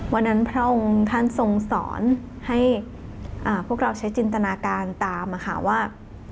พระองค์ท่านทรงสอนให้พวกเราใช้จินตนาการตามว่า